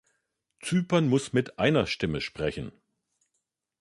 Zypern muss mit einer Stimme sprechen.